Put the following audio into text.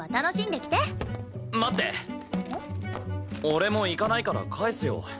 俺も行かないから返すよ。